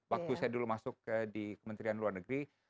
waktu saya dulu masuk di kementerian luar negeri